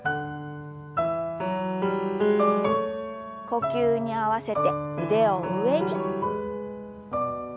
呼吸に合わせて腕を上に。